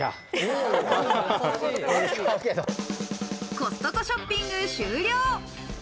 コストコショッピング終了！